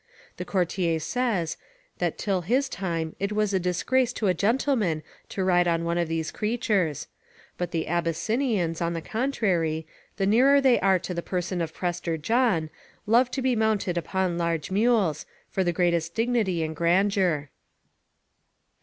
The Courtier says, that till his time it was a disgrace to a gentleman to ride on one of these creatures: but the Abyssinians, on the contrary, the nearer they are to the person of Prester John, love to be mounted upon large mules, for the greatest dignity and grandeur.